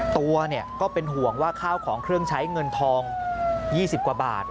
ตัวก็เป็นห่วงว่าข้าวของเครื่องใช้เงินทอง๒๐กว่าบาท